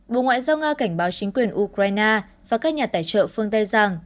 bộ ngoại giao nga cảnh báo chính quyền ukraine và các nhà tài trợ phương tây rằng